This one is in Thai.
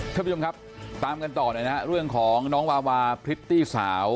ท่านผู้ชมครับตามกันต่อหน่อยนะฮะเรื่องของน้องวาวาพริตตี้สาว